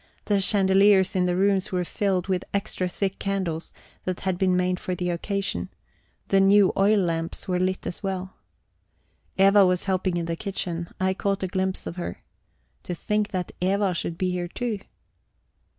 The chandeliers in the rooms were filled with extra thick candles that had been made for the occasion; the new oil lamps were lit as well. Eva was helping in the kitchen; I caught a glimpse of her. To think that Eva should be here too!